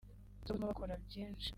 zo gutuma bakora byinshi